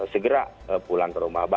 segera pulang ke rumah